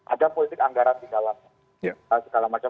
ada politik anggaran di dalamnya